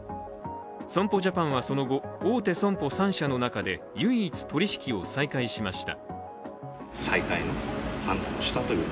損保ジャパンはその後、大手損保３社の中で唯一取り引きを再開しました。